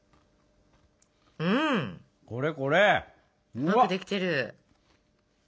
うまくできてる！